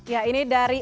ya ini dari